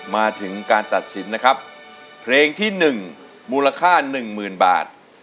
มาถึงการตัดสินนะครับเพลงที่๑มูลค่า๑๐๐๐บาท